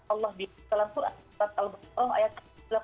allah diberikan dalam surah al baqarah ayat delapan puluh tiga